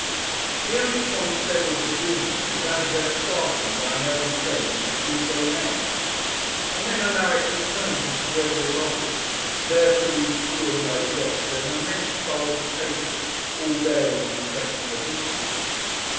The only point settled between them was that of their starting by an early train on the Tuesday named; and then Alaric returned to Sir Gregory's office, there to read through and digest an immense bulk of papers all bearing on the question at issue.